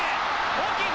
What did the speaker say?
大きいぞ！